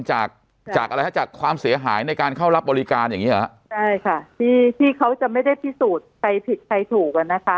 จากความเสียหายในการเข้ารับบริการอย่างนี้หรอใช่ค่ะที่เขาจะไม่ได้พิสูจน์ใครผิดใครถูกนะคะ